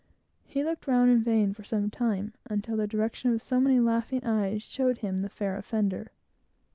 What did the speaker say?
He looked round in vain, for some time, until the direction of so many laughing eyes showed him the fair offender.